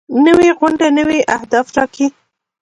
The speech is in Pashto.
نوې غونډه نوي اهداف ټاکي